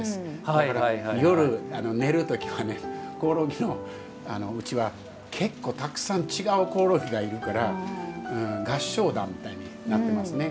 だから、夜寝る時はねコオロギのうちは結構たくさん違うコオロギがいるから合唱団みたいになってますね。